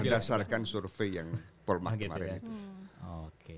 berdasarkan survei yang paul mahfud kemarin itu